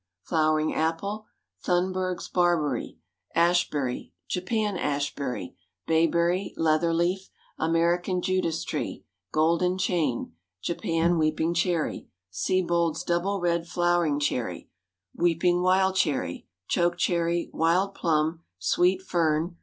Flowering apple. Thunberg's barberry. Ashberry. Japan ashberry. Bayberry. Leatherleaf. American Judas tree. Golden chain. Japan weeping cherry. Siebold's double red flowering cherry. Weeping wild cherry. Choke cherry. Wild plum. Sweet fern.